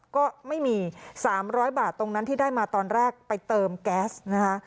ก็ไม่มี๓๐๐บาทตรงนั้นที่ได้มาตอนแรกไปเติมแก๊สนะคะ